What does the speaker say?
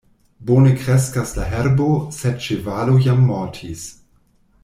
Bone kreskas la herbo, sed ĉevalo jam mortis.